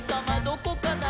どこかな？」